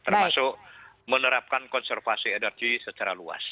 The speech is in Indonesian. termasuk menerapkan konservasi energi secara luas